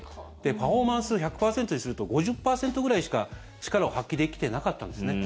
パフォーマンス１００％にすると５０％くらいしか力を発揮できてなかったんです。